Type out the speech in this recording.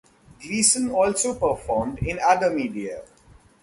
Gleason also performed in other media.